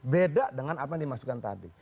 beda dengan apa yang dimasukkan tadi